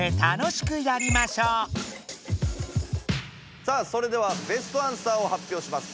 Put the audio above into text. さあそれではベストアンサーを発表します。